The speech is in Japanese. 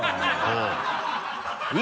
うん。